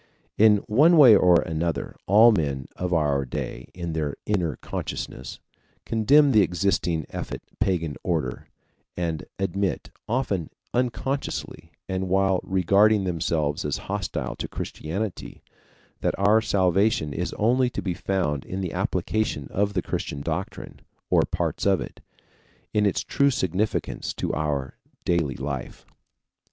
In one way or another all men of our day in their inner consciousness condemn the existing effete pagan order, and admit, often unconsciously and while regarding themselves as hostile to Christianity, that our salvation is only to be found in the application of the Christian doctrine, or parts of it, in its true significance to our daily life.